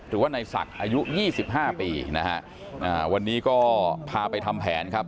หรือว่าในศักดิ์อายุยี่สิบห้าปีนะฮะอ่าวันนี้ก็พาไปทำแผนครับ